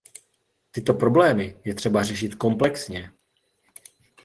Tyto problémy je třeba řešit komplexně.